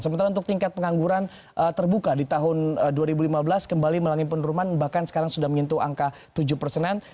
sementara untuk tingkat pengangguran terbuka di tahun dua ribu lima belas kembali melangi penurunan bahkan sekarang sudah menyentuh angka tujuh persenan